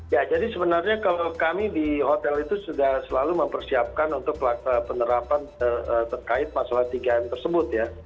ya jadi sebenarnya kalau kami di hotel itu sudah selalu mempersiapkan untuk penerapan terkait masalah tiga m tersebut ya